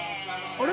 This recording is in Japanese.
あれ？